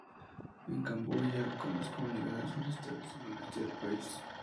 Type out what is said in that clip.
En Camboya, con las comunidades forestales del Noreste del país.